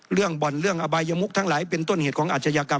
บ่อนเรื่องอบายมุกทั้งหลายเป็นต้นเหตุของอาชญากรรม